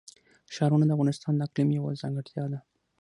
ښارونه د افغانستان د اقلیم یوه ځانګړتیا ده.